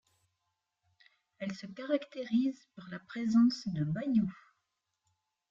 Elle se caractérise par la présence de bayous.